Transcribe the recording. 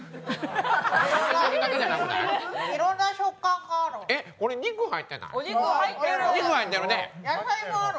いろんな食感がある。